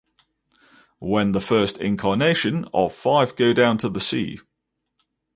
When the first incarnation of Five Go Down to the Sea?